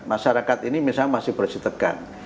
masyarakat ini masih bersih tegang